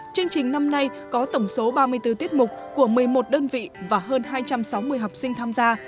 chương trình năm nay có tổng số ba mươi bốn tiết mục của một mươi một đơn vị và hơn hai trăm sáu mươi học sinh tham gia